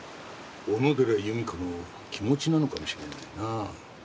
小野寺由美子の気持ちなのかもしれないな。